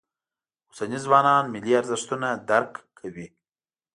اوسني ځوانان ملي ارزښتونه درک کوي.